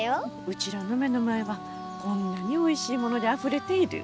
うちらの目の前はこんなにおいしいものであふれている。